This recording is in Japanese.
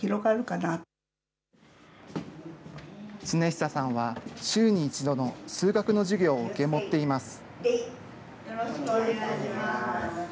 亘久さんは週に１度の数学の授業を受け持っています。